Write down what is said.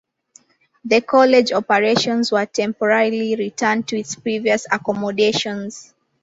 The college operations were temporarily returned to its previous accommodations.